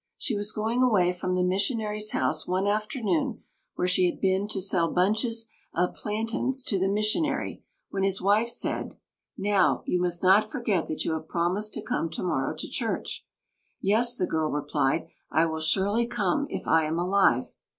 She was going away from the missionary's house one afternoon, where she had been to sell bunches of plantains to the missionary, when his wife said: "Now, you must not forget that you have promised to come tomorrow to church." "Yes," the girl replied, "I will surely come if I am alive."